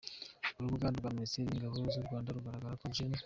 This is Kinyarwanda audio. Urubuga rwa Minisiteri y’Ingabo z’u Rwanda rugaragaza ko Gen.